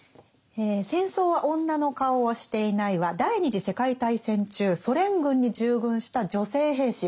「戦争は女の顔をしていない」は第二次世界大戦中ソ連軍に従軍した女性兵士